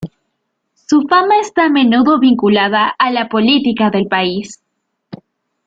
Su fama está a menudo vinculada a la política del país.